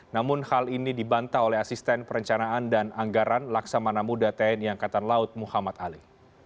namun hal ini dibantah oleh asisten perencanaan dan anggaran laksamana muda tni angkatan laut muhammad ali